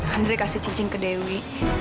andre kasih cincin ke dewi